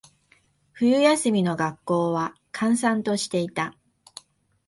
冬休みの学校は、閑散としていた。